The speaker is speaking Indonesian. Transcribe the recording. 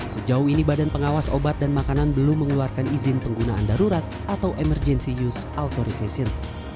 sejauh ini badan pengawas obat dan makanan belum mengeluarkan izin penggunaan darurat atau emergency use authorization